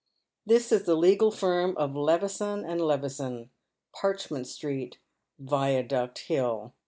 This is the legal firm of Levison and Levison, Parchment Street, Viaduct Hill.